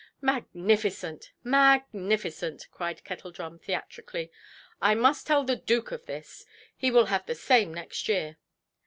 "Magnificent, magnificent"! cried Kettledrum, theatrically; "I must tell the Dook of this. He will have the same next year".